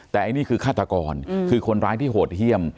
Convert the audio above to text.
แต่ไอ้นี่คือฆาตกรคือคนร้ายที่โหดเยี่ยม